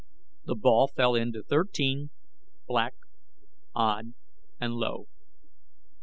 The ball fell into Thirteen, Black, Odd, and Low.